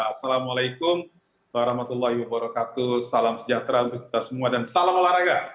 assalamualaikum warahmatullahi wabarakatuh salam sejahtera untuk kita semua dan salam olahraga